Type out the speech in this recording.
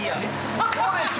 ウソでしょ